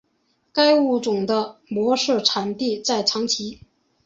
该物种的模式产地在长崎。